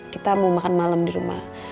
kita mau makan malam di rumah